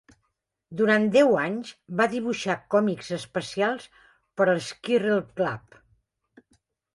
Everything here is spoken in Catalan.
Durant deu anys, va dibuixar còmics especials per al Squirrel Club.